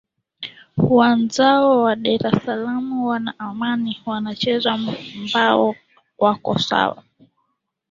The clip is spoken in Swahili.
wanzao wa dar es salam wana amani wanacheza mbao wako sawa